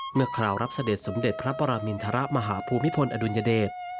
คราวรับเสด็จสมเด็จพระปรมินทรมาฮภูมิพลอดุลยเดช